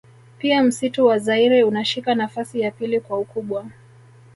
Pia msitu wa zaire unashika nafasi ya pili kwa ukubwa